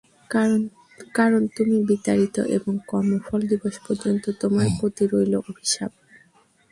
কারণ তুমি বিতাড়িত এবং কর্মফল দিবস পর্যন্ত তোমার প্রতি রইল অভিশাপ।